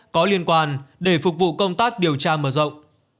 có liên quan để phục vụ công tác điều tra mở rộng